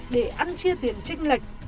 để ăn chia tiền tranh lệch